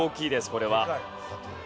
これは。